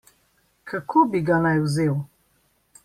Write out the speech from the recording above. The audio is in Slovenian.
Kako bi ga naj vzel?